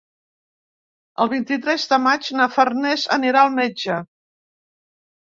El vint-i-tres de maig na Farners anirà al metge.